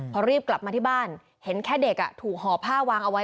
พอรีบกลับมาที่บ้านเห็นแค่เด็กถูกห่อผ้าวางเอาไว้